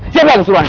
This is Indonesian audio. siapa yang kesuluan